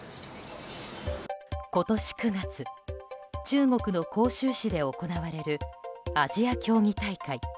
今年９月、中国の杭州市で行われるアジア競技大会。